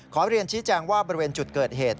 ขอเรียนชี้แจงว่าบริเวณจุดเกิดเหตุ